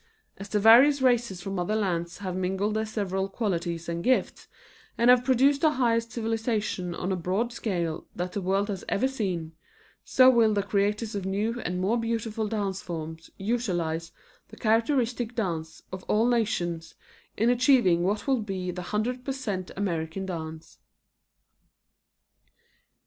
As the various races from other lands have mingled their several qualities and gifts, and have produced the highest civilization on a broad scale that the world has ever seen, so will the creators of new and more beautiful dance forms utilize the characteristic dances of all nations in achieving what will be the 100 per cent American dance.